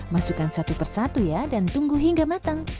masukkan satu persatu ya dan tunggu hingga matang